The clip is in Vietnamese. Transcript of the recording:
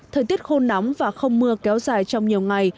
thời tiết khô nóng và không mưa kéo dài trong nhiều ngày